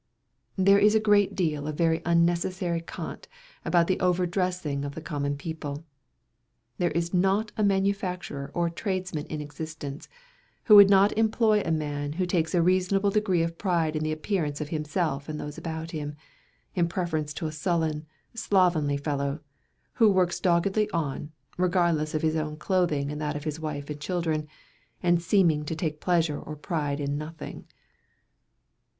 There is a great deal of very unnecessary cant about the over dressing of the common people. There is not a manufacturer or tradesman in existence, who would not employ a man who takes a reasonable degree of pride in the appearance of himself and those about him, in preference to a sullen, slovenly fellow, who works doggedly on, regardless of his own clothing and that of his wife and children, and seeming to take pleasure or pride in nothing.